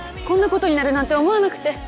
こんなことになるなんて思わなくて。